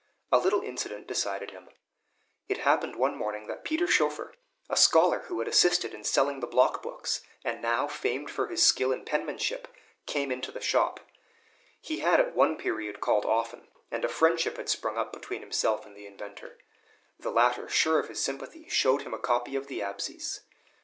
A little incident decided him. It happened one morning that Peter Schoeffer, a scholar who had assisted in selling the block books, and now famed for his skill in penmanship, came into the shop. He had at one period called often, and a friendship had sprung up between himself and the inventor. The latter, sure of his sympathy, showed him a copy of the "Absies."